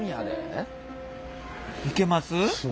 いけます？